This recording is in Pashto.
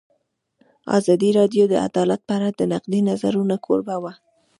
ازادي راډیو د عدالت په اړه د نقدي نظرونو کوربه وه.